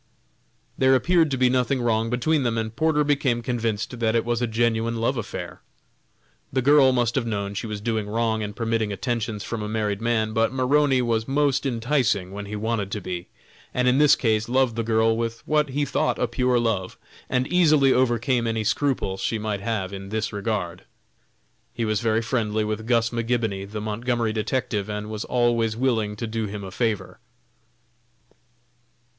There appeared to be nothing wrong between them, and Porter became convinced that it was a genuine love affair. The girl must have known she was doing wrong in permitting attentions from a married man; but Maroney was most enticing when he wished to be, and in this case loved the girl with what he thought a pure love, and easily overcame any scruple she might have in this regard. He was very friendly with Gus McGibony, the Montgomery detective, and was always willing to do him a favor.